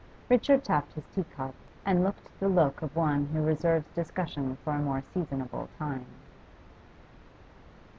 Richard tapped his tea cup and looked the look of one who reserves discussion for a more seasonable time.